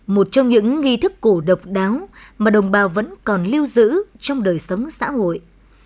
một trong những nghi thức cổ độc đáo mà đồng bào vẫn còn lưu giữ trong đời sống xã hội